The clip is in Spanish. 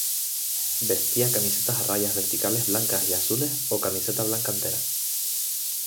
Vestía camiseta a rayas verticales blancas y azules o camiseta blanca entera.